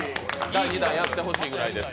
第２弾やってほしいぐらいですよ。